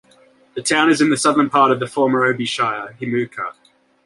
The town is in the southern part of the former Obi Shire, Himuka.